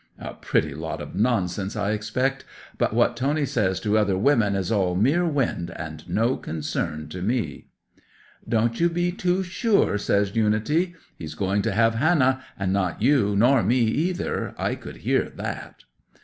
A pretty lot of nonsense, I expect! But what Tony says to other women is all mere wind, and no concern to me!" '"Don't you be too sure!" says Unity. "He's going to have Hannah, and not you, nor me either; I could hear that."